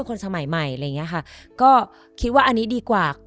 ก็คิดว่าอันนี้ดีกว่า